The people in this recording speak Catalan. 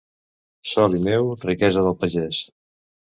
Sol i neu, riquesa del pagès.